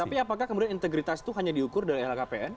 tapi apakah kemudian integritas itu hanya diukur dari lhkpn